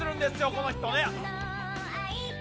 この人ね。